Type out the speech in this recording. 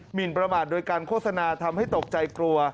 หินประมาทโดยการโฆษณาทำให้ตกใจกลัว